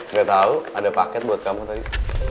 gak tau ada paket buat kamu tadi